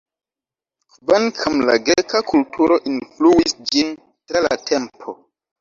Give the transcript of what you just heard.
Kvankam la greka kulturo influis ĝin tra la tempo.